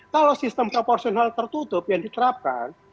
kalau sistem proporsional tertutup yang diterapkan